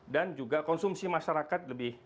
dan juga konsumsi masyarakat lebih